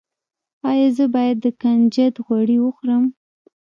ایا زه باید د کنجد غوړي وخورم؟